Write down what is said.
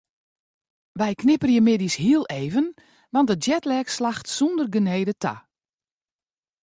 Wy knipperje middeis hiel even want de jetlag slacht sonder genede ta.